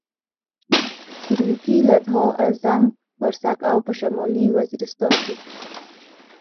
سرویکي، لدها، اعظم ورسک او په شمالي وزیرستان کې.